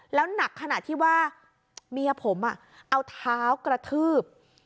แล้วหนักขนาดที่ว่าเมียผมเอาเท้ากระทืบ